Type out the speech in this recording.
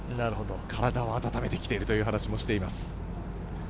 体を温めてきているという話もしています。